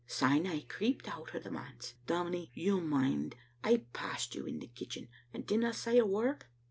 S3me I creeped out o* the manse. Dominie, you mind I passed you in the kitch en, and didna say a word?"